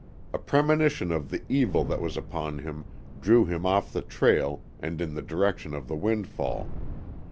A premonition of the evil that was upon him drew him off the trail and in the direction of the windfall.